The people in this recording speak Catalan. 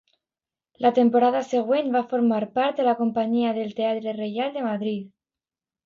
La temporada següent va formar part de la companyia del Teatre Reial de Madrid.